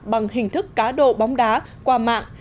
bằng hình thức cá đồ bóng đá qua mạng